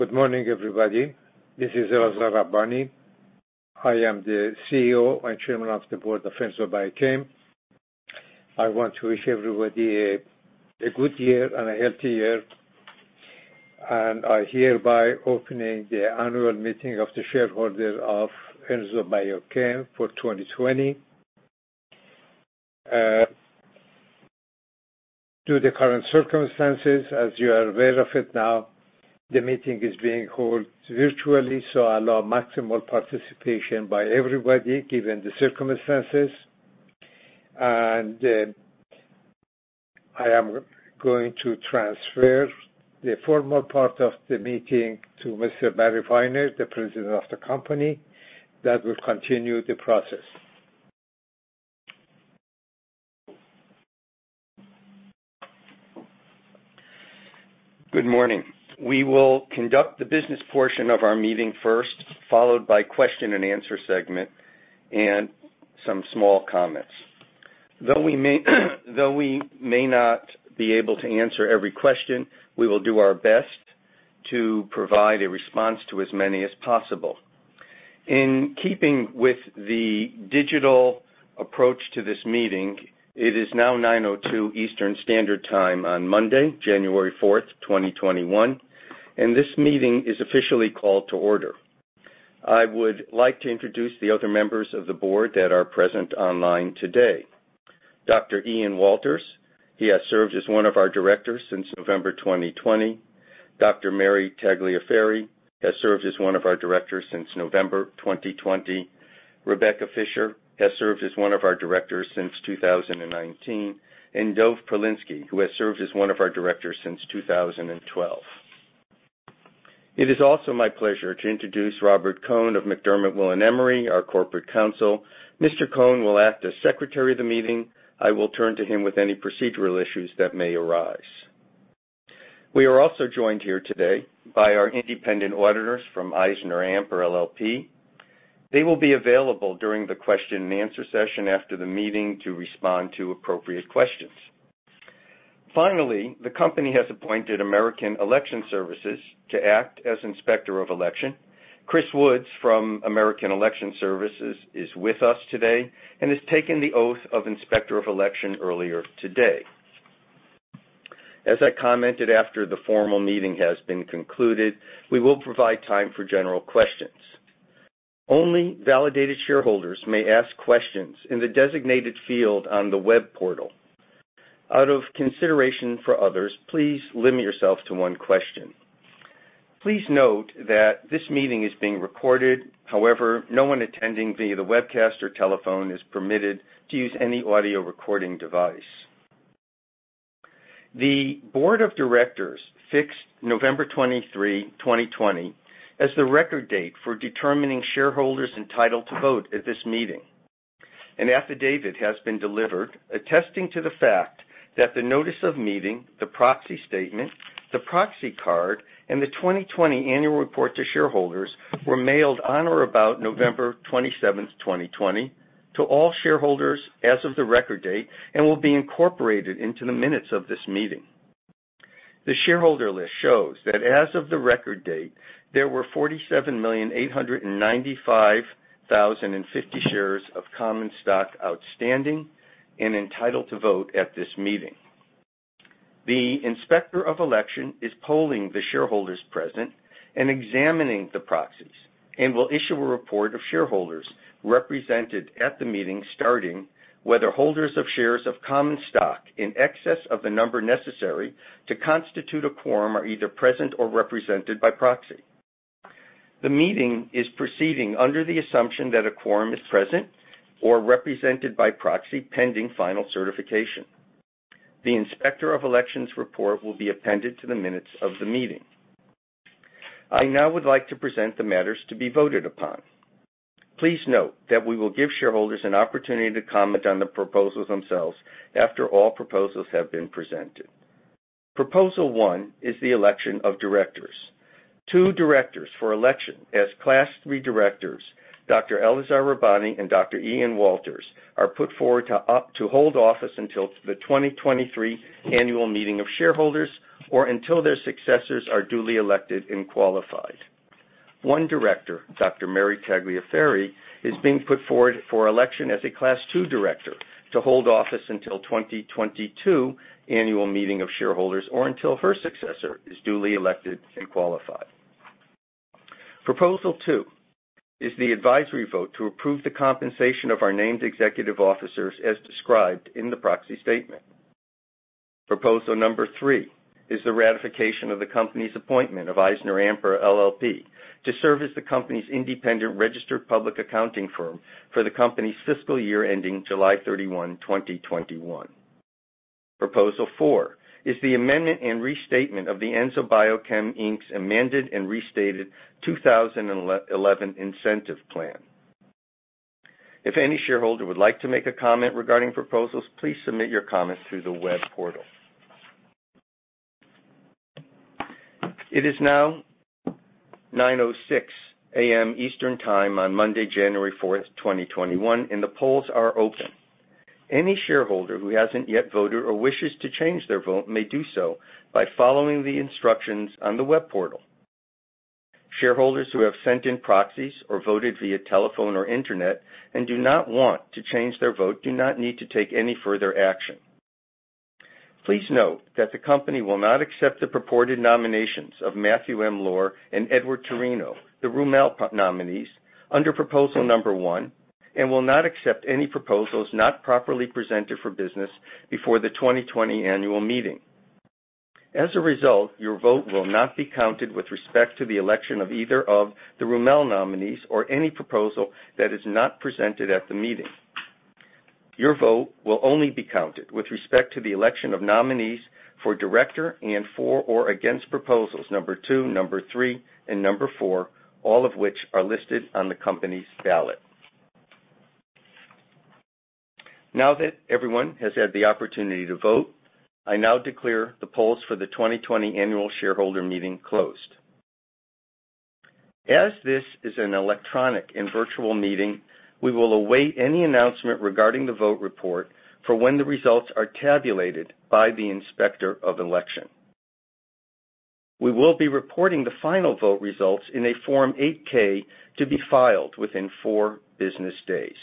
Good morning, everybody. This is Elazar Rabbani. I am the CEO and Chairman of the Board of Enzo Biochem. I want to wish everybody a good year and a healthy year. I am hereby opening the annual meeting of the shareholders of Enzo Biochem for 2020. Due to the current circumstances, as you are aware of it now, the meeting is being held virtually, so allow maximal participation by everybody, given the circumstances. I am going to transfer the formal part of the meeting to Mr. Barry Weiner, the President of the company, that will continue the process. Good morning. We will conduct the business portion of our meeting first, followed by question and answer segment and some small comments. Though we may not be able to answer every question, we will do our best to provide a response to as many as possible. In keeping with the digital approach to this meeting, it is now 9:02 A.M. Eastern Standard Time on Monday, January fourth, 2021, and this meeting is officially called to order. I would like to introduce the other members of the board that are present online today. Dr. Ian Walters, he has served as one of our directors since November 2020. Dr. Mary Tagliaferri has served as one of our directors since November 2020. Rebecca Fischer has served as one of our directors since 2019, and Dov Perlysky, who has served as one of our directors since 2012. It is also my pleasure to introduce Robert Cohn of McDermott Will & Emery, our corporate counsel. Mr. Cohn will act as Secretary of the meeting. I will turn to him with any procedural issues that may arise. We are also joined here today by our independent auditors from EisnerAmper LLP. They will be available during the question and answer session after the meeting to respond to appropriate questions. Finally, the company has appointed American Election Services to act as Inspector of Election. Chris Woods from American Election Services is with us today and has taken the oath of Inspector of Election earlier today. As I commented after the formal meeting has been concluded, we will provide time for general questions. Only validated shareholders may ask questions in the designated field on the web portal. Out of consideration for others, please limit yourself to one question. Please note that this meeting is being recorded. However, no one attending via the webcast or telephone is permitted to use any audio recording device. The board of directors fixed November 23, 2020, as the record date for determining shareholders entitled to vote at this meeting. An affidavit has been delivered attesting to the fact that the notice of meeting, the proxy statement, the proxy card, and the 2020 annual report to shareholders were mailed on or about November 27th, 2020 to all shareholders as of the record date and will be incorporated into the minutes of this meeting. The shareholder list shows that as of the record date, there were 47,895,050 shares of common stock outstanding and entitled to vote at this meeting. The Inspector of Election is polling the shareholders present and examining the proxies and will issue a report of shareholders represented at the meeting starting whether holders of shares of common stock in excess of the number necessary to constitute a quorum are either present or represented by proxy. The meeting is proceeding under the assumption that a quorum is present or represented by proxy pending final certification. The Inspector of Election's report will be appended to the minutes of the meeting. I now would like to present the matters to be voted upon. Please note that we will give shareholders an opportunity to comment on the proposals themselves after all proposals have been presented. Proposal one is the election of directors. Two directors for election as Class 3 directors, Dr. Elazar Rabbani and Dr. Ian Walters, are put forward to hold office until the 2023 annual meeting of shareholders or until their successors are duly elected and qualified. One director, Dr. Mary Tagliaferri, is being put forward for election as a Class 2 director to hold office until 2022 annual meeting of shareholders or until her successor is duly elected and qualified. Proposal two is the advisory vote to approve the compensation of our named executive officers as described in the proxy statement. Proposal number three is the ratification of the company's appointment of EisnerAmper LLP to serve as the company's independent registered public accounting firm for the company's fiscal year ending July 31, 2021. Proposal four is the Amendment and Restatement of the Enzo Biochem, Inc.'s Amended and Restated 2011 Incentive Plan. If any shareholder would like to make a comment regarding proposals, please submit your comments through the web portal. It is now 9:06 A.M. Eastern Time on Monday, January fourth, 2021, and the polls are open. Any shareholder who hasn't yet voted or wishes to change their vote may do so by following the instructions on the web portal. Shareholders who have sent in proxies or voted via telephone or internet and do not want to change their vote do not need to take any further action. Please note that the company will not accept the purported nominations of Matthew M. Loar and Edward Terino, the Roumell nominees, under proposal number one, and will not accept any proposals not properly presented for business before the 2020 annual meeting. As a result, your vote will not be counted with respect to the election of either of the Roumell nominees or any proposal that is not presented at the meeting. Your vote will only be counted with respect to the election of nominees for director and for or against proposals number two, number three, and number four, all of which are listed on the company's ballot. Now that everyone has had the opportunity to vote, I now declare the polls for the 2020 annual shareholder meeting closed. As this is an electronic and virtual meeting, we will await any announcement regarding the vote report for when the results are tabulated by the Inspector of Election. We will be reporting the final vote results in a Form 8-K to be filed within four business days.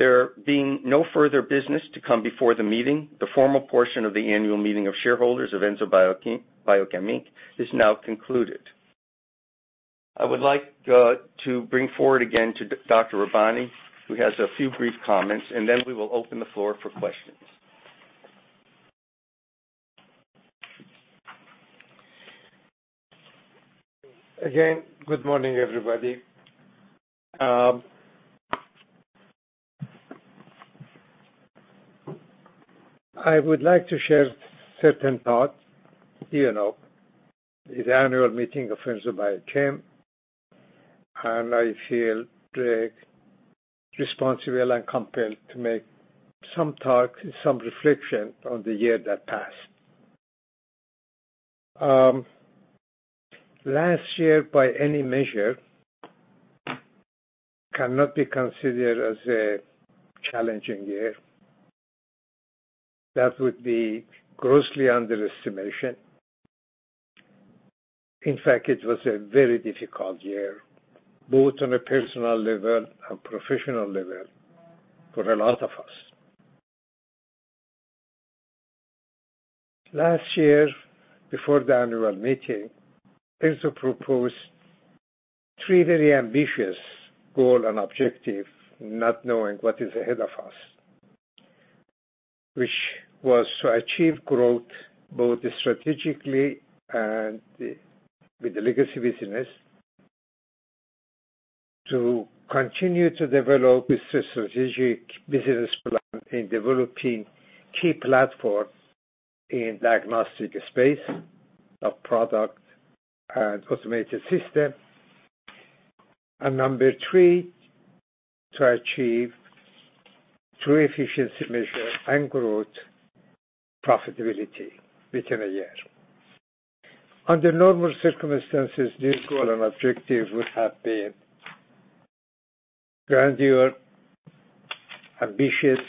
There being no further business to come before the meeting, the formal portion of the annual meeting of shareholders of Enzo Biochem Inc. is now concluded. I would like to bring forward again to Dr. Rabbani, who has a few brief comments. Then we will open the floor for questions. Again, good morning, everybody. I would like to share certain thoughts. The annual meeting of Enzo Biochem, and I feel responsible and compelled to make some talk and some reflection on the year that passed. Last year, by any measure, cannot be considered as a challenging year. That would be grossly underestimation. In fact, it was a very difficult year, both on a personal level and professional level, for a lot of us. Last year, before the annual meeting, Enzo proposed three very ambitious goal and objective, not knowing what is ahead of us, which was to achieve growth, both strategically and with the legacy business. To continue to develop a strategic business plan in developing key platforms in diagnostic space of product and automated system. Number three, to achieve, through efficiency measure and growth, profitability within a year. Under normal circumstances, this goal and objective would have been grandeur, ambitious,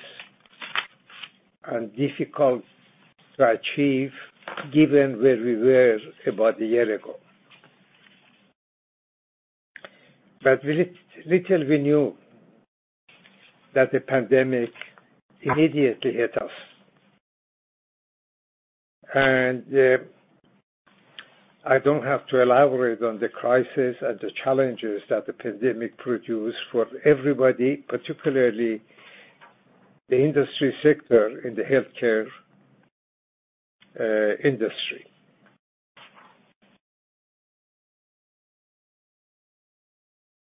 and difficult to achieve given where we were about a year ago. Little we knew that the pandemic immediately hit us. I don't have to elaborate on the crisis and the challenges that the pandemic produced for everybody, particularly the industry sector in the healthcare industry.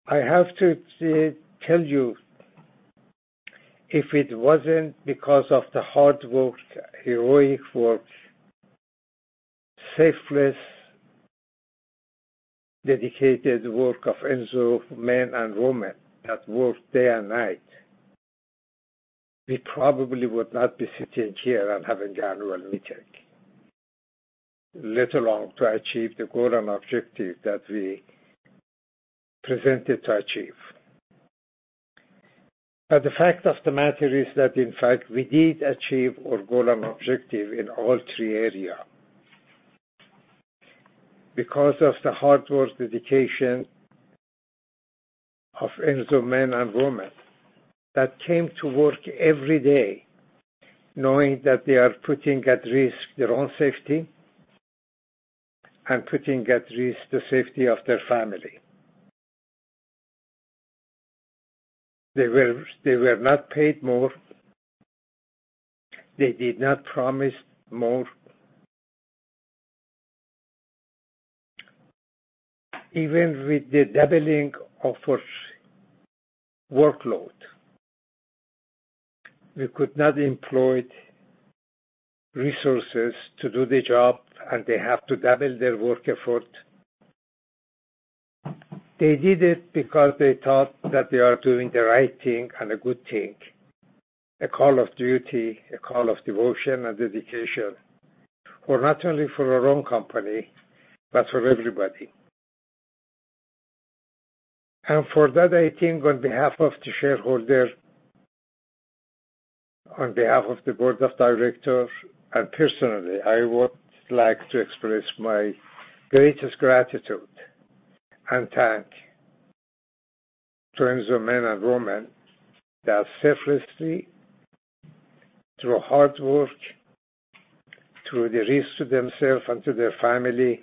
I have to tell you, if it wasn't because of the hard work, heroic work, selfless, dedicated work of Enzo men and women that worked day and night, we probably would not be sitting here and having the annual meeting, let alone to achieve the goal and objective that we presented to achieve. The fact of the matter is that in fact, we did achieve our goal and objective in all three area. Because of the hard work, dedication of Enzo men and women that came to work every day knowing that they are putting at risk their own safety and putting at risk the safety of their family. They were not paid more. They did not promise more. Even with the doubling of workload, we could not employ resources to do the job, and they have to double their work effort. They did it because they thought that they are doing the right thing and a good thing. A call of duty, a call of devotion and dedication, not only for our own company, but for everybody. For that, I think on behalf of the shareholders, on behalf of the board of directors, and personally, I would like to express my greatest gratitude and thank to Enzo men and women that selflessly, through hard work, through the risk to themselves and to their family,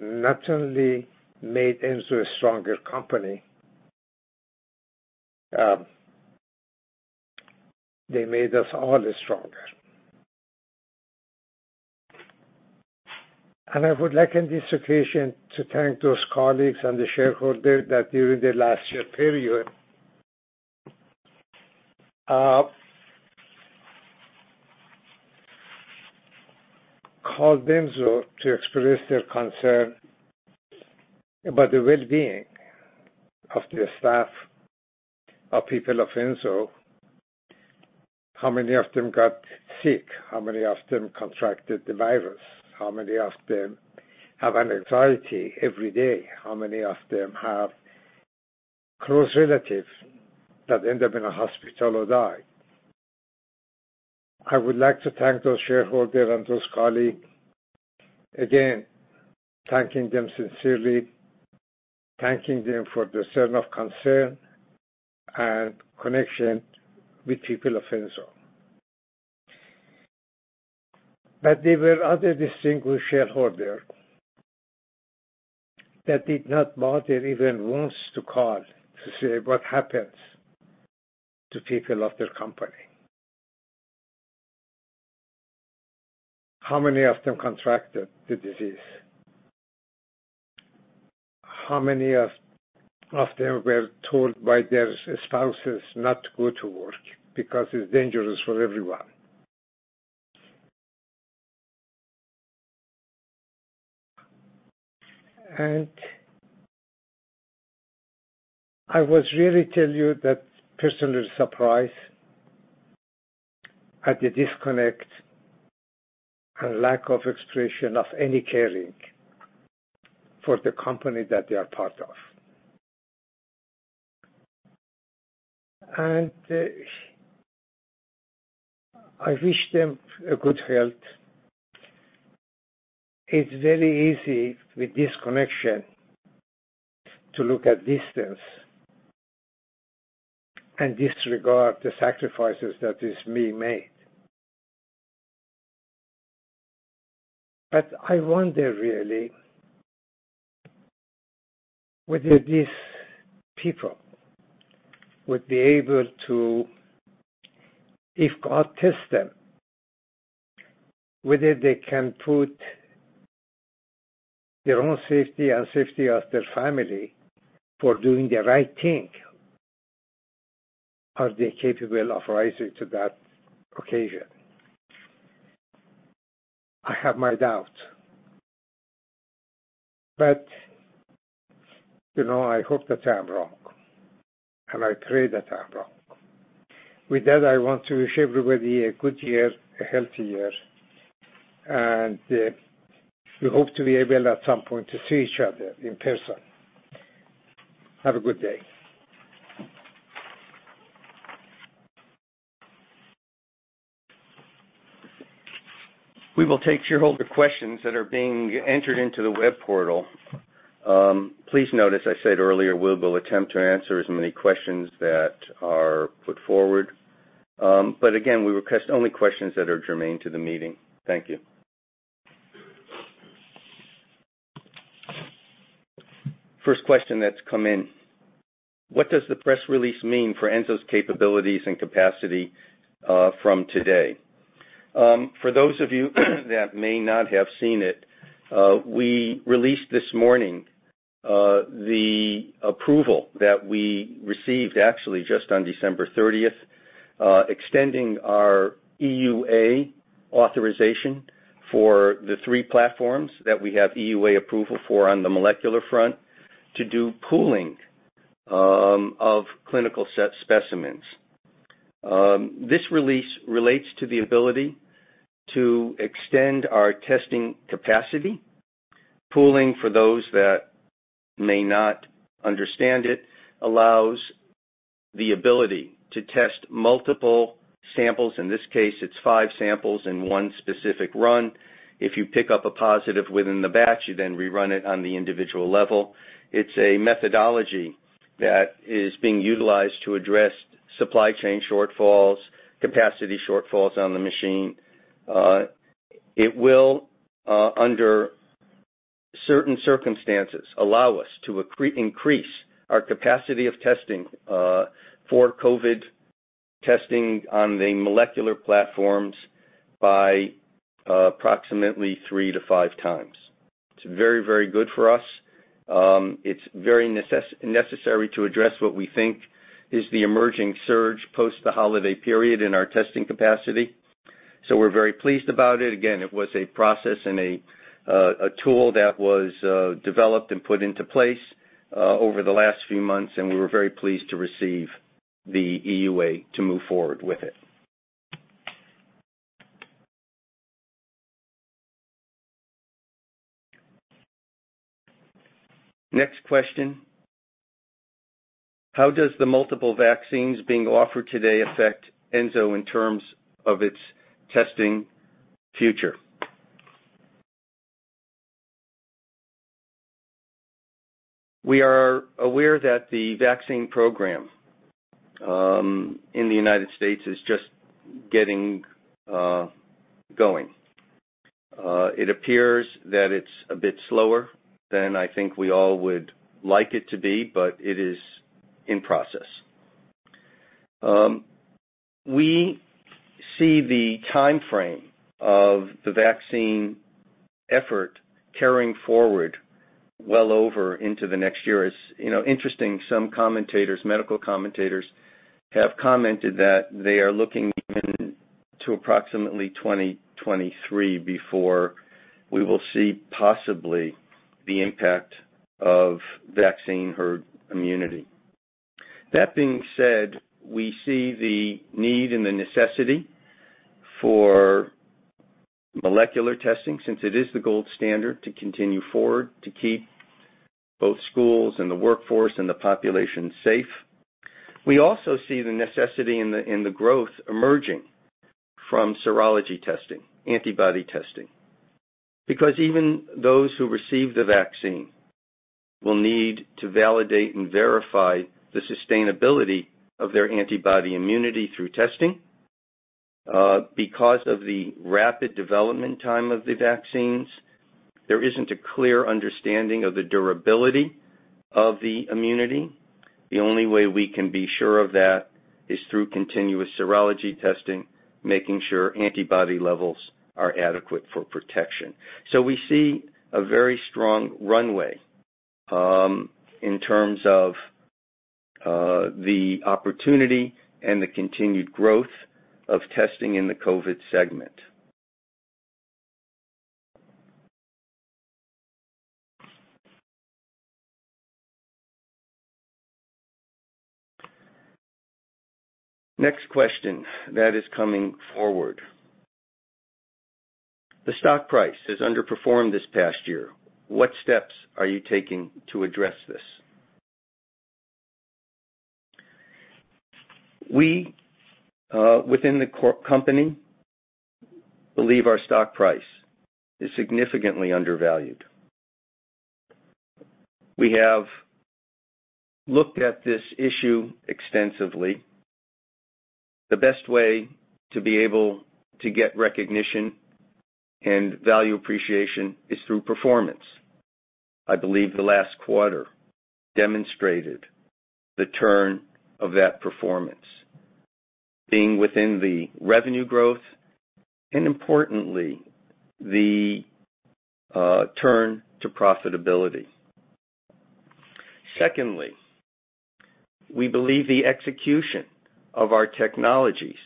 not only made Enzo a stronger company, they made us all stronger. I would like, on this occasion, to thank those colleagues and the shareholders that during the last year period, called Enzo to express their concern about the well-being of their staff, of people of Enzo, how many of them got sick, how many of them contracted the virus, how many of them have anxiety every day, how many of them have close relatives that end up in a hospital or die. I would like to thank those shareholders and those colleagues again, thanking them sincerely, thanking them for their concern and connection with people of Enzo. There were other distinguished shareholders that did not bother even once to call to say what happens to people of their company. How many of them contracted the disease? How many of them were told by their spouses not to go to work because it's dangerous for everyone? I was really tell you that personally surprised at the disconnect and lack of expression of any caring for the company that they are part of. I wish them a good health. It's very easy with disconnection to look at distance and disregard the sacrifices that is being made. I wonder, really, whether these people would be able to, if God tests them, whether they can put their own safety and safety of their family for doing the right thing. Are they capable of rising to that occasion? I have my doubts. I hope that I'm wrong, and I pray that I'm wrong. With that, I want to wish everybody a good year, a healthy year, and we hope to be able, at some point, to see each other in person. Have a good day. We will take shareholder questions that are being entered into the web portal. Please note, as I said earlier, we will attempt to answer as many questions that are put forward. Again, we request only questions that are germane to the meeting. Thank you. First question that's come in. What does the press release mean for Enzo's capabilities and capacity from today? For those of you that may not have seen it, we released this morning, the approval that we received actually just on December 30th, extending our EUA authorization for the three platforms that we have EUA approval for on the molecular front to do pooling of clinical specimens. This release relates to the ability to extend our testing capacity. Pooling, for those that may not understand it, allows the ability to test multiple samples. In this case, it's five samples in one specific run. If you pick up a positive within the batch, you then rerun it on the individual level. It's a methodology that is being utilized to address supply chain shortfalls, capacity shortfalls on the machine. It will, under certain circumstances, allow us to increase our capacity of testing for COVID testing on the molecular platforms by approximately 3-5 times. It's very good for us. It's very necessary to address what we think is the emerging surge post the holiday period in our testing capacity. We're very pleased about it. Again, it was a process and a tool that was developed and put into place over the last few months, and we were very pleased to receive the EUA to move forward with it. Next question: How does the multiple vaccines being offered today affect Enzo in terms of its testing future? We are aware that the vaccine program in the U.S. is just getting going. It appears that it's a bit slower than I think we all would like it to be, but it is in process. We see the timeframe of the vaccine effort carrying forward well over into the next year. It's interesting, some commentators, medical commentators, have commented that they are looking even to approximately 2023 before we will see possibly the impact of vaccine herd immunity. That being said, we see the need and the necessity for molecular testing, since it is the gold standard to continue forward, to keep both schools and the workforce and the population safe. We also see the necessity and the growth emerging from serology testing, antibody testing, because even those who receive the vaccine will need to validate and verify the sustainability of their antibody immunity through testing. Because of the rapid development time of the vaccines, there isn't a clear understanding of the durability of the immunity. The only way we can be sure of that is through continuous serology testing, making sure antibody levels are adequate for protection. We see a very strong runway in terms of the opportunity and the continued growth of testing in the COVID segment. Next question that is coming forward: The stock price has underperformed this past year. What steps are you taking to address this? We, within the company, believe our stock price is significantly undervalued. We have looked at this issue extensively. The best way to be able to get recognition and value appreciation is through performance. I believe the last quarter demonstrated the turn of that performance being within the revenue growth, and importantly, the turn to profitability. Secondly, we believe the execution of our technologies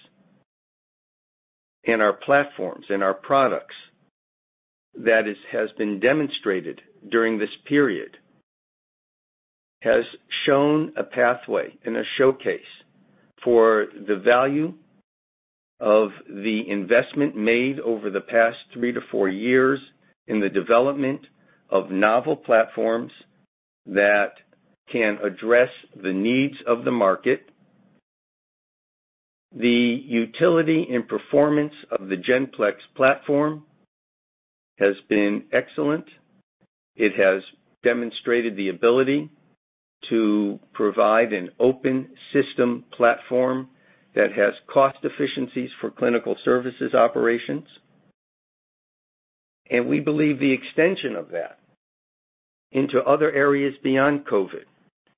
and our platforms and our products that has been demonstrated during this period has shown a pathway and a showcase for the value of the investment made over the past three to four years in the development of novel platforms that can address the needs of the market. The utility and performance of the GenFlex platform has been excellent. It has demonstrated the ability to provide an open system platform that has cost efficiencies for clinical services operations. We believe the extension of that into other areas beyond COVID,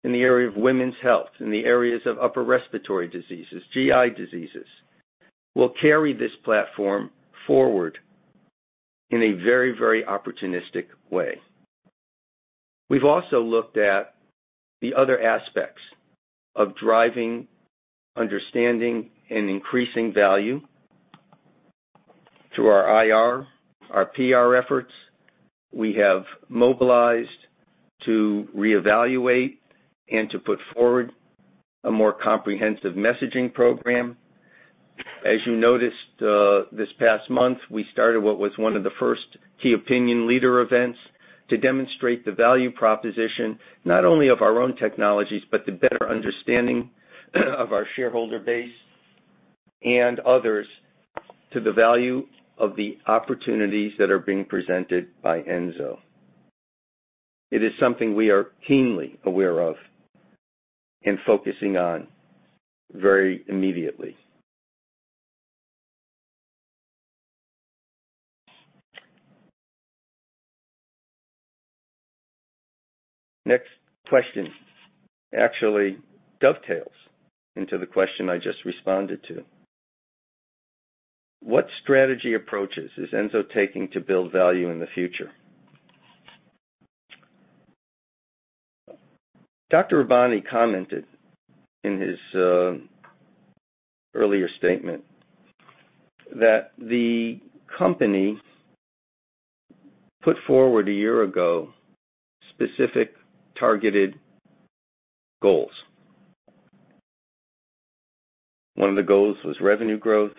in the area of women's health, in the areas of upper respiratory diseases, GI diseases, will carry this platform forward in a very, very opportunistic way. We've also looked at the other aspects of driving, understanding, and increasing value through our IR, our PR efforts. We have mobilized to reevaluate and to put forward a more comprehensive messaging program. As you noticed this past month, we started what was one of the first key opinion leader events to demonstrate the value proposition not only of our own technologies, but the better understanding of our shareholder base and others to the value of the opportunities that are being presented by Enzo. It is something we are keenly aware of and focusing on very immediately. Next question actually dovetails into the question I just responded to. What strategy approaches is Enzo taking to build value in the future? Dr. Rabbani commented in his earlier statement that the company put forward a year ago specific targeted goals. One of the goals was revenue growth,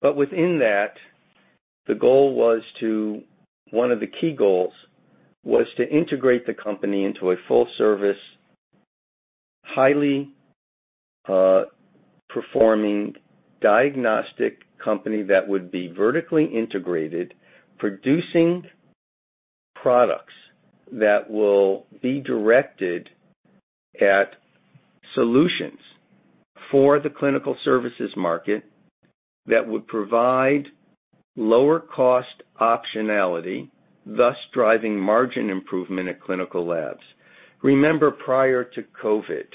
but within that, one of the key goals was to integrate the company into a full service, highly performing diagnostic company that would be vertically integrated, producing products that will be directed at solutions for the clinical services market that would provide lower cost optionality, thus driving margin improvement at clinical labs. Remember, prior to COVID,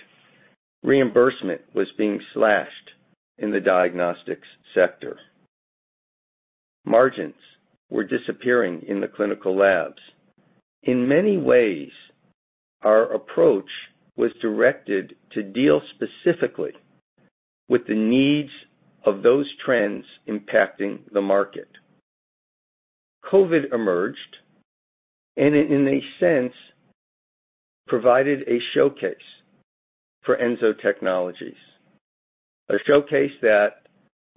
reimbursement was being slashed in the diagnostics sector. Margins were disappearing in the clinical labs. In many ways, our approach was directed to deal specifically with the needs of those trends impacting the market. COVID emerged, and in a sense, provided a showcase for Enzo Biochem. A showcase that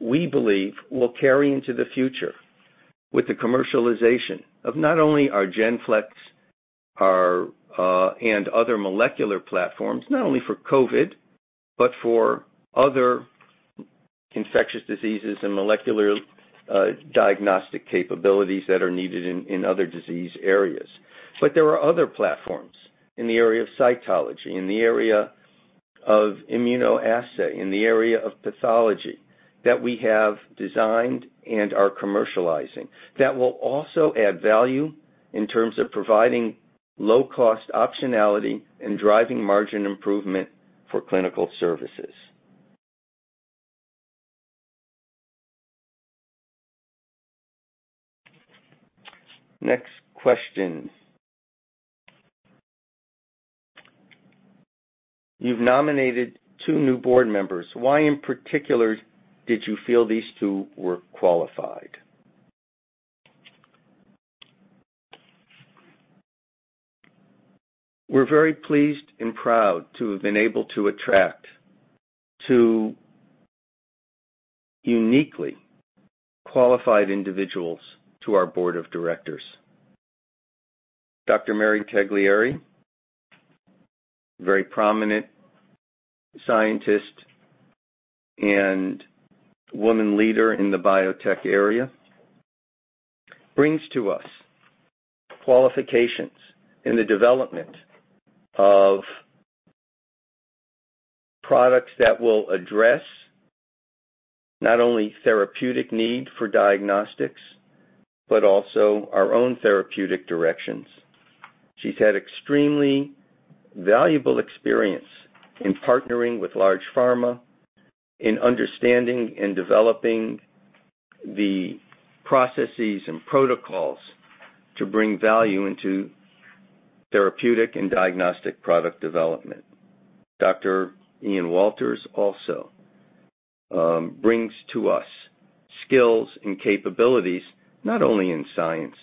we believe will carry into the future with the commercialization of not only our GenFlex and other molecular platforms, not only for COVID, but for other infectious diseases and molecular diagnostic capabilities that are needed in other disease areas. There are other platforms in the area of cytology, in the area of immunoassay, in the area of pathology that we have designed and are commercializing that will also add value in terms of providing low-cost optionality and driving margin improvement for clinical services. Next question. "You've nominated two new board members. Why, in particular, did you feel these two were qualified?" We're very pleased and proud to have been able to attract two uniquely qualified individuals to our board of directors. Dr. Mary Tagliaferri, a very prominent scientist and woman leader in the biotech area, brings to us qualifications in the development of products that will address not only therapeutic need for diagnostics, but also our own therapeutic directions. She's had extremely valuable experience in partnering with large pharma, in understanding and developing the processes and protocols to bring value into therapeutic and diagnostic product development. Dr. Ian Walters also brings to us skills and capabilities, not only in science,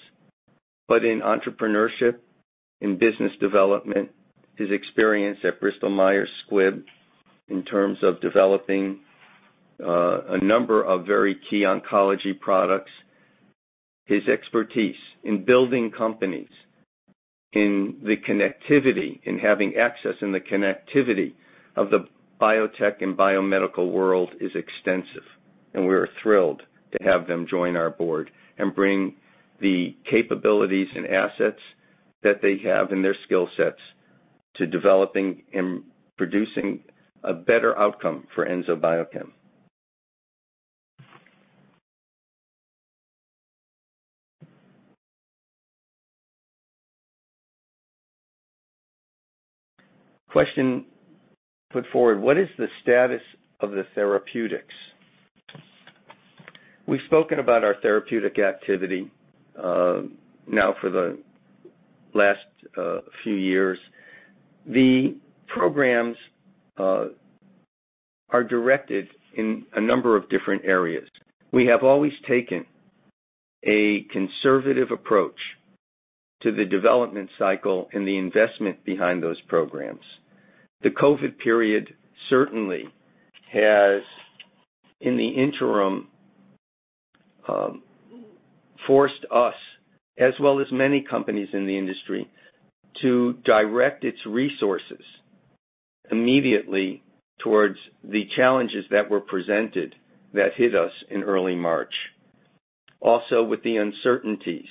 but in entrepreneurship, in business development. His experience at Bristol Myers Squibb in terms of developing a number of very key oncology products, his expertise in building companies, in the connectivity, in having access in the connectivity of the biotech and biomedical world is extensive, and we are thrilled to have them join our board and bring the capabilities and assets that they have and their skill sets to developing and producing a better outcome for Enzo Biochem. Question put forward: "What is the status of the therapeutics?" We've spoken about our therapeutic activity now for the last few years. The programs are directed in a number of different areas. We have always taken a conservative approach to the development cycle and the investment behind those programs. The COVID period certainly has, in the interim, forced us, as well as many companies in the industry, to direct its resources immediately towards the challenges that were presented that hit us in early March. With the uncertainties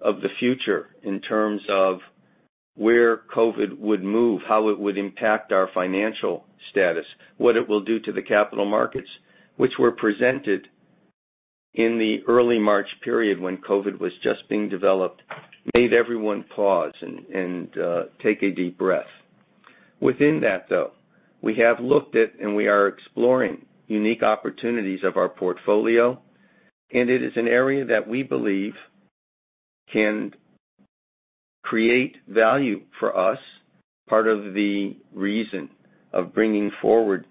of the future in terms of where COVID would move, how it would impact our financial status, what it will do to the capital markets, which were presented in the early March period when COVID was just being developed, made everyone pause and take a deep breath. Within that, though, we have looked at and we are exploring unique opportunities of our portfolio, and it is an area that we believe can create value for us. Part of the reason of bringing forward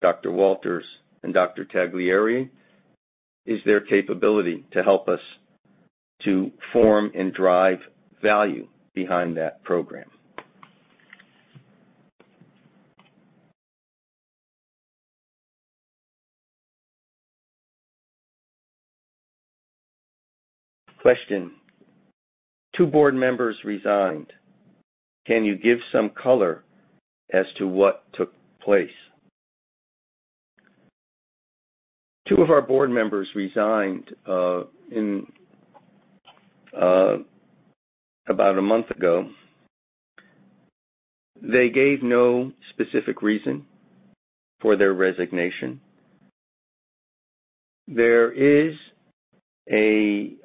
Dr. Walters and Dr. Tagliaferri is their capability to help us to form and drive value behind that program. Question: "Two board members resigned. Can you give some color as to what took place?" Two of our board members resigned about a month ago. They gave no specific reason for their resignation. There is a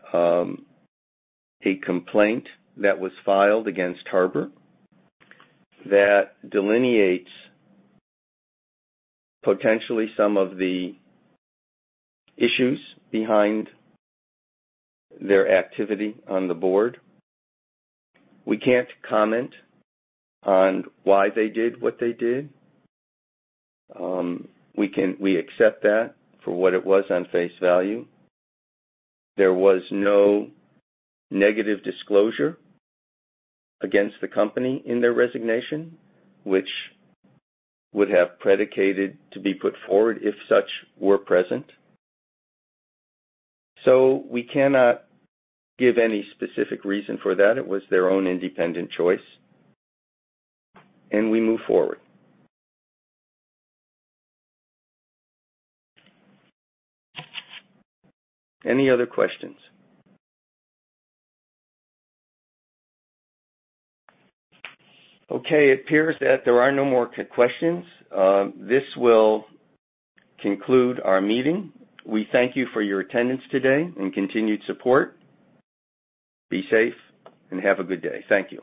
complaint that was filed against Harbert that delineates potentially some of the issues behind their activity on the board. We can't comment on why they did what they did. We accept that for what it was on face value. There was no negative disclosure against the company in their resignation, which would have predicated to be put forward if such were present. We cannot give any specific reason for that. It was their own independent choice, we move forward. Any other questions? Okay, it appears that there are no more questions. This will conclude our meeting. We thank you for your attendance today and continued support. Be safe and have a good day. Thank you.